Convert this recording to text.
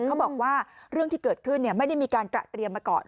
เขาบอกว่าเรื่องที่เกิดขึ้นไม่ได้มีการตระเตรียมมาก่อน